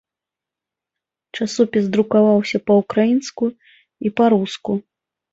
Часопіс друкаваўся па-ўкраінску і па-руску.